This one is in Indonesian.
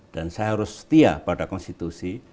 dan saya harus setia pada konstitusi